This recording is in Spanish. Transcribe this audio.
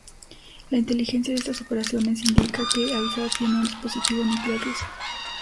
La inteligencia de estas operaciones indica que Al-Asad tiene un dispositivo nuclear ruso.